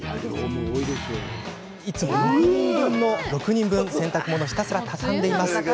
いつも６人分の洗濯物をひたすら畳みます。